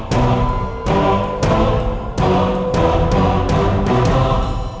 kok mata itu kok bisa bergerak